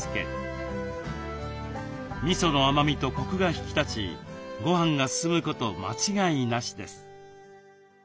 みその甘みとコクが引き立ちごはんが進むこと間違いなしです。